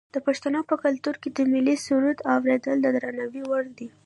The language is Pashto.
د پښتنو په کلتور کې د ملي سرود اوریدل د درناوي وړ دي.